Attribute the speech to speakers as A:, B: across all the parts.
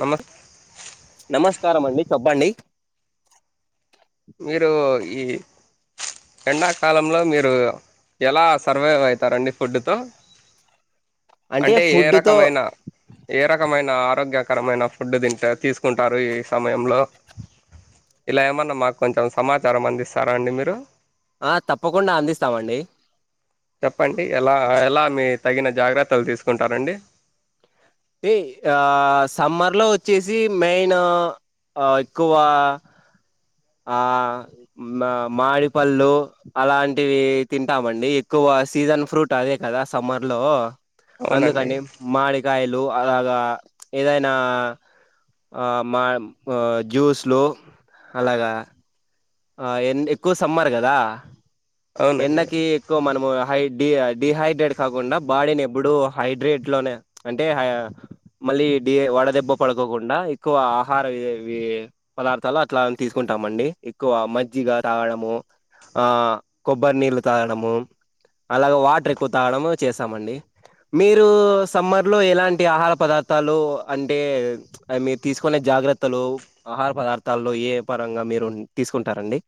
A: నమస్
B: నమస్కారం అండి చెప్పండి
A: మీరు ఈ ఎండాకాలంలో మీరు ఎలా సర్వైవ్ అవుతారండి. ఫుడ్తో అంటే ఏ
B: ఫుడ్ తో
A: రకమైన ఏ రకమైన ఆరోగ్యకరమైన ఫుడ్ తింట తీసుకుంటారు. ఈ సమయంలో ఇలా ఏమన్నా మాకు కొంచెం సమాచారం అందిస్తారా. అండి మీరు
B: ఆ తప్పకుండా అందిస్తామండి.
A: చెప్పండి ఎలా ఎలా మీ తగిన జాగ్రత్తలు తీసుకుంటారండి.
B: ఆ సమ్మర్ లో వచ్చేసి మెయిన్ ఎక్కువ ఆ మా మాడిపళ్ళు అలాంటివి తింటామండి. ఎక్కువ సీజన్ ఫ్రూట్ అదే కదా సమ్మర్ లో
A: అవునండి
B: అందుకనీ మాడిగాయలు అ ఎ మఆ ఏమైనా అలాగ జ్యూస్లు అలాగా ఆ ఎ ఎక్కువ సమ్మర్ కదా
A: అవునండి
B: ఎండకి ఎక్కువ మనము హై డి డిహైడ్రేట్ కాకుండా బాడీని ఎప్పుడూ హైడ్రేట్ లోనే. అంటే మళ్ళీ వడదెబ్బ పడుకోకుండా ఎక్కువ ఆహార పదార్థాలు అట్లా తీసుకుంటామండి. ఎక్కువ మజ్జిగా తాగడము, ఆ కొబ్బరి నీళ్ళు తాగడము అలాగ వాటర్ ఎక్కువ తాగడము చేసామండి. మీరు సమ్మర్లో ఎలాంటి ఆహార పదార్థాలు అంటే మీరు తీసుకునే జాగ్రత్తలు ఆహార పదార్థాల్లో ఏ పరంగా మీరు తీసుకుంటారంండి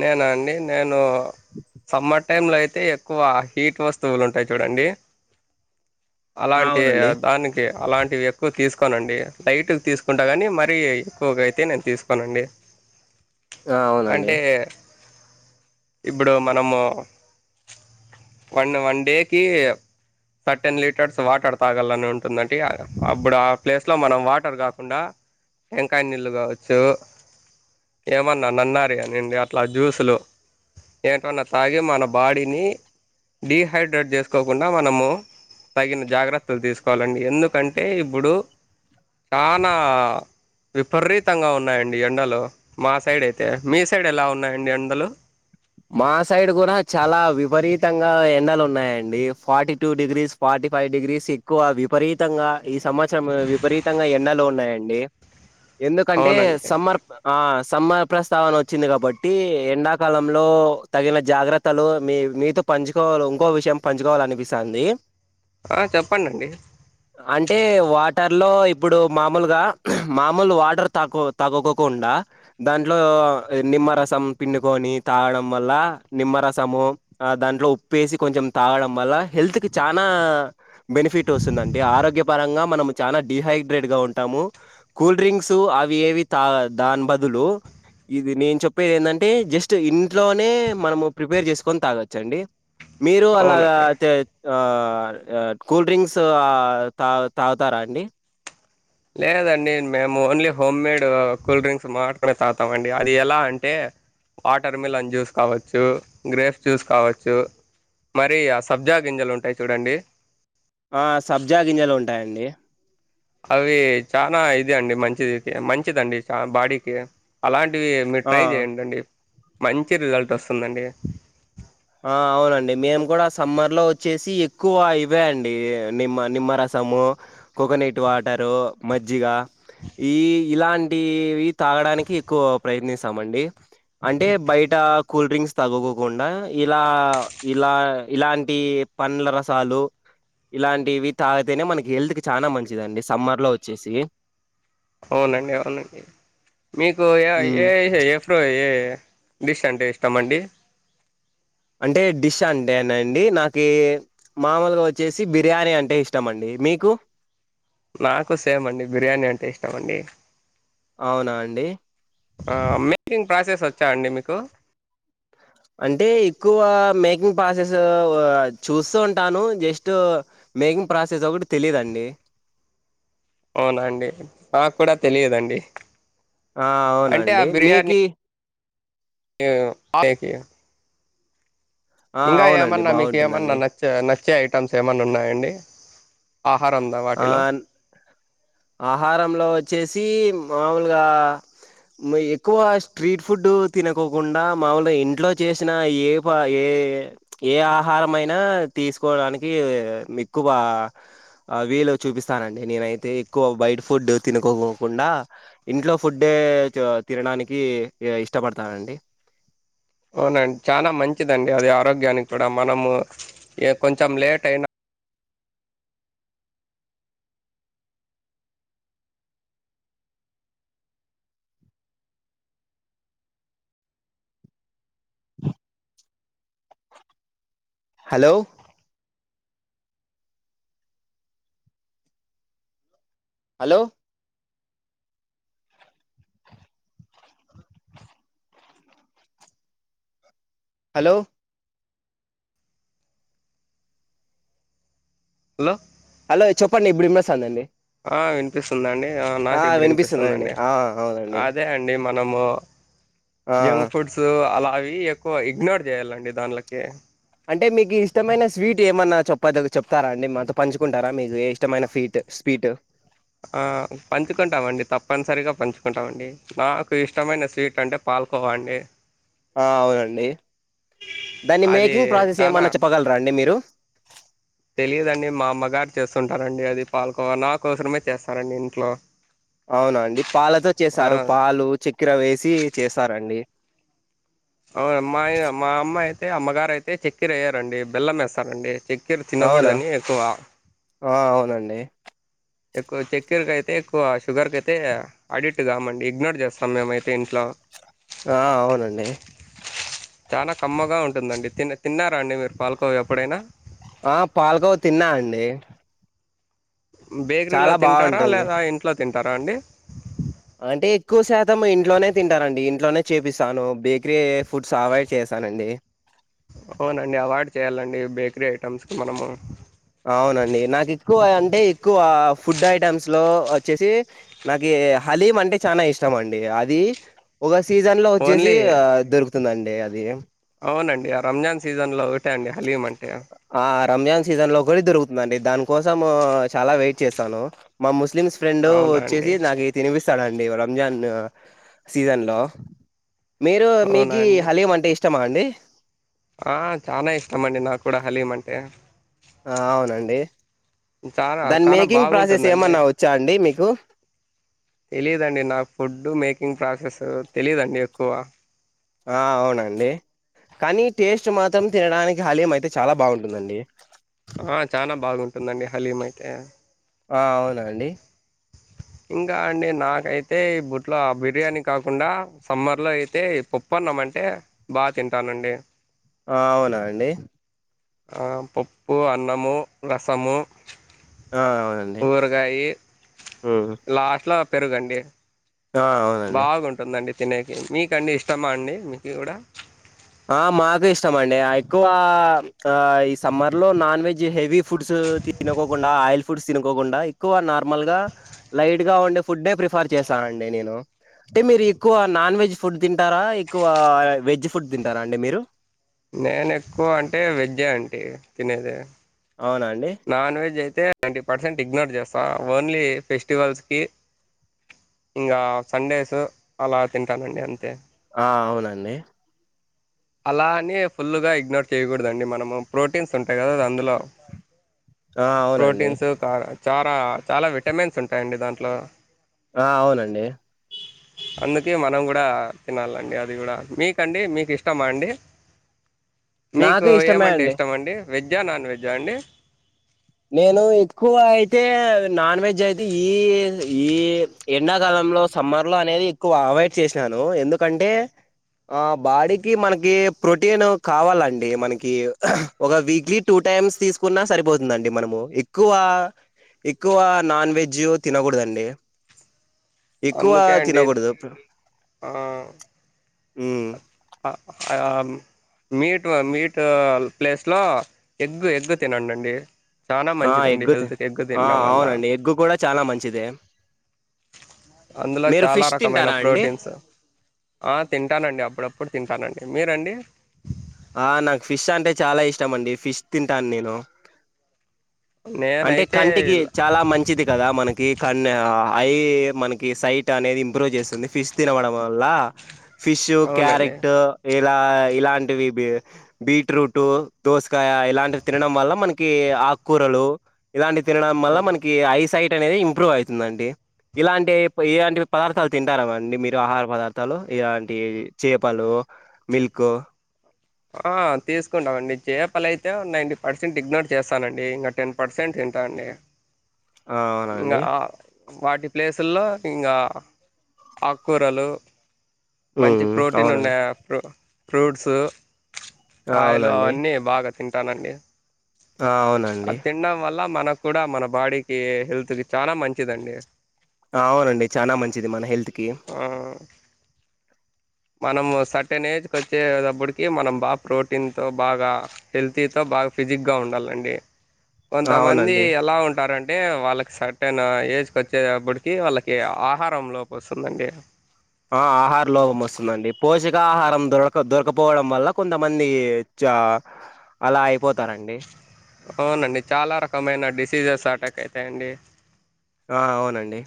A: నేనా అండి నేను సమ్మట్ టై లో అయితే ఎక్కువ హీట్ వస్తువులు ఉంటాయి చూడండి. అలాంటి
B: అవునండి
A: దానికి అలాంటివి ఎక్కువ తీసుకోనండి. లైట్ తీసుకుంటా కానీ మరీ ఎక్కువగా అయితే నేను తీసుకోనండి.
B: ఆ అవునండి
A: అంటే ఇప్పుడు మనము వన్ వన్ డే క సర్ టెన్ లీటర్స్ వాటర్ తాగాలని ఉంటుందంట అప్పుడు ఆ ప్లేస్ లో మనం వాటర్ కాకుండా వెంకాయ నీళ్ళు కావచ్చు ఏమన్నా అన్న అ అండి అట్లా జ్యూస్లు ఏంటన్నా తాగి మన బాడీని డడిహైడ్రేట్ చేసుకోకుండా. మనము తగిన జాగ్రత్తలు తీసుకోవాలండి. ఎందుకంటే ఇప్పుడు చాలా విపరీతంగా ఉన్నాయండి. ఎండలు మా సైడ్ అయితే మీ స సైడ్ ఎలా ఉన్నాయండి ఎండలు
B: మా సైడ్ కూడా చాలా విపరీతంగా ఎండలు ఉన్నాయండి. Forty two degrees forty five degrees ఎక్కువ విపరీతంగా ఈ సంవత్సరం. విపరీతంగా ఎన్న లోన్ ఉన్నాయండి ఎందుకంటే
A: అవునండి
B: సమ్మర్ ఆ సమ్మ ప్రస్తావన వచ్చింది కాబట్టి ఎండాకాలం లో తగిన జాగ్రత్తలు మీ మీతో పంచుకోవాల ఇంకో విషయం పంచుకోవాల అనిపిస్తుంది.
A: ఆ చెప్పండండి
B: అంటే వాటర్ ఇలో ఇప్పుడు మామూలుగా మామూలు వాటర్ తా తాకుండా దాంట్లో నిమ్మరసం పిండుకని తాగడం వల్ల నిమ్మరసము దాంట్లో ఉప్పుసి కొంచెం తాగడం వల్ల హెల్త్ కి చాలనా బెనిఫిట్ వస్తుందండి. ఆరోగ్య పరంగా మనం చాలా డిహైడ్రేట్ గా ఉంటాము. కూల్ డ్రింక్స్ అవి ఏవి తా దాని బదులు ఇది నేను చెప్పేది ఏంటంటే జస్ట్ నస్ట్ ఇంట్లోనే మనము ప్రిపేర్ చేసుకొని తాగొచ్చండి. మీరు అలాగా
A: అవునండి
B: అతే కూల్ డ్రింక్స్ తా తాగుతారా అండి
A: లేదండి. మేము ఓన్లీ హోమ్మేడ్ కూల్ డ్రింక్స్ మాట్కునే తాగుతామ అండి. అది ఎలా అంటే వాటర్ మిలన్ జ్యూస్ కావచ్చు గ్రేప్స్ జ్యూస్ కావచ్చు మరి ఆ సబ్జా గింజలు ఉంటాయి చూడండి.
B: ఆ సబ్జా గింజలు ఉంటాయండి.
A: అవి చాలా ఇది అండి మంచిది మంచిదండి చ బాడీకి అలాంటి వి మీరు
B: ఆ
A: ట్రై చేయండిండి. మంచి రిజల్ట్ వస్తుందండి.
B: ఆ అవునండి. మేము కూడా సమ్మర్లో వచ్చేసి ఎక్కువ ఇవేయంండి. నిమ్మ నిమ్మరసము కోకోనట్ వాటరు మజ్జిగ ఈ ఇలాంటివి తాగడానికి ఎక్కువ ప్రయత్నిస్తామండి. అంటే బయట కూల్డ్రింక్స్ తగ్కుండా ఇలా ఇలా ఇలాంటి పండ్ల రసాలు ఇలాంటి ఇవి తాగితేనే మనకి హెల్త్ కి చాలా మంచిదండి. సమ్మర్ లో వచ్చేసి
A: అవునండి అవునండి మీకు ఏ
B: హ్మ్
A: ఏ ఎఫ్రో ఏ డిష్ అంటే ఇష్టమ అండి
B: అంటే డిష్ అంటేన అండి నాకు మామూలుగా వచ్చేసి బిర్యానీ అంటే ఇష్టం అండి మీకు
A: నాకు సేమ్ అండి బిర్యానీ అంటే ఇష్టం అండి
B: అవునా అండి
A: మేకింగ్ ప్రాసెస్ వచ్చా అండి మీకు
B: అంటే ఎక్కువ మేకింగ్ ప్రాసెస్ చూస్తూ ఉంటాను జస్ట్ మేకింగ్ ప్రాసెస్ ఒకటి తెలిదుండి
A: అవునాండి నాకు కూడా తెలియదండి.
B: ఆ అవునండి మీకి
A: టక్ ఇ
B: ఆ
A: హింగా
B: అవునండి
A: ఏమన్నా మీకు ఏమన్నా
B: బాగుంటుందండి
A: నచ్చ నచ్చేయి అట్టమ్స్ ఏమన్న ఉన్నాయండి ఆహారం
B: ఆ
A: వాటిలో
B: ఆహారంలో వచ్చేసి మాముూలుగా ఎక్కువ స్ట్రీట్ ఫుడ్డు తినకోకుండా మామూలుగా ఇంట్లో చేసిన ఏ పా ఏ ఏ ఆహారమయినా తీసుకోవడానికి ఎక్కువ వీళ్లు చూపిస్తానండి నేనైతే ఎక్కువ బైట్ ఫుడ్ తినుకోకుండా ఇంట్లో ఫుడ్డే తినడానికి ఇష్టపడతానండి
A: అవునండి చాలా మంచిదండి అది ఆరోగ్యానికి కూడా మనము ఏ కొంచెం లేట్ అయినా
B: hello hello hello
A: hello
B: hello చెప్పండి ఇప్పుడు వినిపిస్తాంది అండి
A: ఆ వినిపిస్తుందండి ఆ నాకు ఇప్పుడు
B: వినిపిస్తుందండి
A: వినిపిస్తుందిండి
B: ఆ అవునండి
A: అదే అండి మనము
B: ఆ ఆ
A: జంక్ ఫుడ్స్ అలా అవి ఎక్కువ ఇగ్నోర్ చేయాలండి దానిలోకి
B: అంటే మీకు ఇష్టమైన స్వీట్ ఏమన్నా చేపట్లేదు చెప్తారా అండి మాతో పంచుకుంటారా మీకు ఏ ఇష్టమైన ఫీట్ స్వీట్
A: ఆ పంచుకుంటామండి తప్పనిసరిగా పంచుకుంటామండి నాకు ఇష్టమైన స్వీట్ అంటే పాల్కోవా అండి
B: అవునండి దాన్ని
A: అది
B: మేకింగ్ ప్రాసెస్ ఏమన్నా చెప్పగలరా అండి మీరు
A: తెలిదండి మా అమ్మగారు చేస్తుంటారండి అది పాల్కోవ నా కోసం మే చేస్తారండి ఇంట్లో
B: అవునండి పాలతో
A: ఆ
B: చేస్తారు పాలు చక్కెర వేసి చేస్తారండి
A: అవును మా యమా అమ్మాయితే అమ్మగారు అయితే చెక్కిర వయ్యారండి బెల్లం వేస్తారండి చె
B: అవునా ఆ అవునండి
A: ఎక్కువ చెక్కెరక అయితే ఎక్కువ షుగర్ క అయితే అడిక్ట్ కామండి ఇగ్నోర్ చేస్తాం మేమైతే ఇంట్లో
B: ఆ అవునండి
A: చాలా కమ్మగా ఉంటుందండి తినా తిన్నారా అండి మీరు పాలకోవా ఎప్పుడైనా
B: ఆ పాలగవ తిన్నా అండి
A: బేకరీలో
B: చాలా
A: తింటారా
B: బాగుంటుంది
A: లేదా ఇంట్లో తింటారా అండి
B: అంటే ఎక్కువ శాతం ఇంట్లోనే తింటారండి ఇంట్లోనే చేపిస్తాను బేకరీ ఫుడ్స్ అవోయిడ్ చేస్తానండి
A: అవునండి అవాయిడ్ చేయాలండి బేకరీ ఐటమ్స్ కి మనము
B: అవునండి నాకు ఎక్కువ అంటే ఎక్కువ ఫుడ్ ఐటమ్స్ లో వచ్చేసి నాకు హలీమ్ అంటే చాలా ఇష్టం అండి అది ఒక సీజన్ లో వచ్చేసి
A: ఓన్లీ
B: దొరుకు దొరుకుతుంది అది
A: అవునండి ఆ రంజాన్ సీజన్ లో ఒకటే అండి హలీమంట
B: ఆ రంజాన్ సీజన్లో ఒకరిద్దరు ండి దాని కోసం చాలా వెయిట్ చేస్తాను ము ముస్లిమ్స్ ఫ్రెండ్
A: అవునా అండి
B: వచ్చేసి నాకు తనిపిస్త స్తడండి రంజాన్ సీజన్ లో మీరు
A: అవునా
B: మీకి
A: అండి
B: హలీమ్ అంటే ఇష్టమా అండి
A: ఆ చాన ఇష్టమండి నాక్కూడ హలీమ్ అంటే
B: ఆ అవున అండి
A: చాన చాన బాగుంటుందండి.
B: వచ్చా అండి మీకు
A: తెలియదండి నా ఫుడ్ మేకింగ్ ప్రాసెస్ తెలియదండి ఎక్కువ
B: ఆ అవునా అండి. కానీ టేస్ట్ మాత్రం తినడానికి హలీమ్ అయితే చాలా బాగుంటుందండి
A: ఆ, చాలా బాగుంటుందండి హలీమ్ అయితే
B: ఆ అవునండి
A: ఇంకా అండి నాకైతే ఇబుట్లో ఆ బిర్యానీ కాకుండా, సమ్మర్ లో అయితే పప్పన్నం అంటే బాగ తింటానండి.
B: ఆ అవునా అండి
A: ఆ పప్పు, అన్నము, రసము
B: ఆ అవునండి
A: ఊరగాయి
B: ఉమ్
A: లాస్ట్ లో పెరుగండి
B: ఆ అవునండి
A: బాగుంటుందండి తినేకి మీకండి ఇష్టమా అండి మీకి కూడా
B: ఆ మాకు ఇష్టం అండి ఎక్కువ ఈ సమ్మర్ లో నాన్ వెజ్ హెవీ ఫుడ్స్ తినకోకుండా ఆయిల్ ఫుడ్స్ తినకోకుండా ఎక్కువ నార్మల్ గా లైట్ గా ఉండే ఫుడ్ ప్రిఫర్ చేస్తానండి నేను. అంటే మీరు ఎక్కువ నాన్ వెజ్ ఫుడ్ తింటారా, ఎక్కువ వెజ్ ఫుడ్ తింటారా అండి మీరు
A: నేను ఎక్కువ అంటే వెజె అంటి తినేది
B: అవునా అండి
A: తే నైంటీ పర్సెంట్ ఇగ్నోర్ చేస్తా. ఓన్లీ ఫెస్టివల్స్కి ఇంగా సండేస్ అలా తింటానండి అంతే
B: ఆ అవునా అండి
A: అలానే ఫుల్లుగా ఇగ్నోర్ చేయ్యకూడదండి మనము ప్రోటీన్స్ ఉంటాయి కదా అందులో
B: ఆ అవునండి
A: ప్రోటీన్స్ కార చార చాలా విటమిన్స్ ఉంటాయండి దాంట్లో
B: ఆ అవునండి
A: అందుకే మనం కూడా తినాలండి అది కూడ, మీకండి మీకు ఇష్టమా అండి మీకు
B: నాకు ఇష్టమే
A: ఏమంటే ఇష్టం అండి వెజ్జా నాన్ వెజ్జా అండి
B: నేను ఎక్కువ అయితే నాన్ వెజ్ అయితే ఈ ఈ ఎండా కాలంలో సమ్మర్ లో అనేది ఎక్కువ అవాయిడ్ చేశాను. ఎందుకంటే ఆ బాడీకి మనకి ప్రోటీన్ కావాలండి, మనకి ఒక వీక్లీ టూ టైమ్స్ తీసుకున్నా సరిపో తుదండి మనము ఎక్కువ ఎక్కువ నాన్ వెజ్ తినకూడదండి ఎక్కువ
A: అందుకే అండి
B: తినకుడదు
A: ఆ,
B: హ్మ్
A: ఆ మీట్ మీట్ ప్లేస్ లో ఎగ్గు ఎగ్ తినండి అండి చాన
B: ఆ
A: మంచిదండి
B: ఎగ్గు తి-
A: హెల్త్కి ఎగ్
B: ఆ
A: తిండం వల్లా.
B: అవునండి ఎగ్గు కూడా చాలా మంచిదే
A: అందులో
B: మీరు
A: చాల
B: ఫిష్
A: రకమైన
B: తింటారా అండి
A: ప్రోటీన్స్ ఆ తింటానండి అప్పుడప్పు టానండి మీరండి
B: ఆ నాకు ఫిష్ అంటే చాలా ఇష్టం అండి ఫిష్ తింటాను నేను అంటే
A: నేనైతే
B: కంటికి
A: ఇలా-
B: చాలా మంచిది కదా మనకి కన్న హై మనకి సైట్ అనేది ఇంప్రూవ్ చేస్తుంది ఫిష్ తినవడం వల్ల ఫిష్ు
A: అవునండి
B: క్యారెట్ ఏ ఇలా ఇలాంటివి బీట్రూట్ దోస కాయ ఇలాంటి తినడం వల్ల మనకి ఆకు కూరలు ఇలాంటి తినడం వల్ల
A: అవునండి
B: మనకి ఐ సైట్ అనేది ఇంప్రూవ్ అవుతుందండి ఇలాంటి ఇలాంటి పదార్థాలు తింటారామండి మీరు ఆహార పదార్థాలు ఇలాంటి చేపలు మిల్క్
A: ఆ తీసుకుంటామండి చేపలు అయితే నైంటీ పర్సెంట్ ఇగ్నోర్ చేస్తానండి ఇంకా టెన్ పర్సెంట్ తింటా అండి
B: ఆ
A: ఇంగ
B: అవునండి
A: ఆ వాటి ప్లేసుల్లో ఇంకా ఆకుకూరలు మంచి
B: ఉమ్,
A: ప్రోటీన్
B: అవునండి
A: ఉన్నాయా ప్రో ఫ్రూట్స్
B: ఆ
A: కాయలు
B: అవునండి
A: అవన్నీ బాగా తింటానండి
B: ఆ
A: ఆ
B: అవునండి
A: తిండం వల్ల మనకు కూడా మన బాడీకి హెల్త్ కి చాలా మంచిదండి
B: అవునండి చానా మంచిది మన హెల్త్ కీ
A: ఆ! మనము సర్టెన్ ఏజ్కి వచ్చేప్పుడికి మనం బాగా ప్రోటీన్తో బాగా హెల్తీతో బాగా ఫిజిక్గా ఉండాలండి కొంతమంది
B: అవునండి
A: ఎలా ఉంటారం టే వాళ్ళకి సర్టెన్ ఏజ్కి వచ్చేప్పుడికి వాళ్ళకి ఆహారం లోపం వస్తుందండి
B: ఆ ఆహార లోభం వస్తుందండి పోషక ఆహారం దొరక దొరకపోవడం వల్ల కొంతమంది చా అలా అయిపోతారండి
A: అవునండి చాలా రకమైన డిసీజెస్ అటాక్ అయితాయండి
B: ఆ అవునండి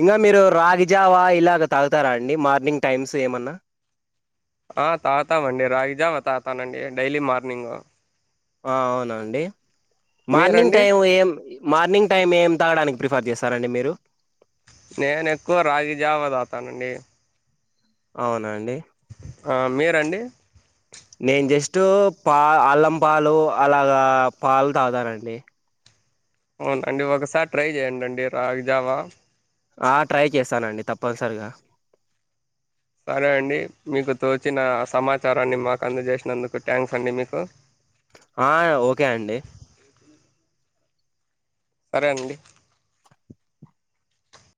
B: ఇంగా మీరు రాగిజావా ఇలాగ తాగుతారా అండి మార్నింగ్ టైమ్స్ ఏమన్నా
A: ఆ తాగుతామండి రాగిజామ తాతానండి డైలీ మార్నింగ్
B: ఆ అవునండి మార్నింగ్
A: మీరండి
B: టైం ఏం మార్నింగ్ టైం ఏం తాగడానికి ప్రిఫర్ చేస్తారండి మీరు
A: నేను ఎక్కువ రాగి జావ తావుతానండి
B: అవున అండీ
A: ఆ మీరండి
B: నేను జస్ట్ పా అల్లం పాలు అలాగా పాలు తాగుతానండి
A: అవునండి ఒకసారి ట్రై చేయండండి రాగి జావా
B: ఆ ట్రై చేస్తానండి తప్పనిసరిగా
A: సరే అండి మీకు తోచిన సమాచారాన్ని మాకు అందజేసినందుకు థ్యాంక్స్ అండి మీకు
B: ఆ ఓకే అండి
A: సరే అండి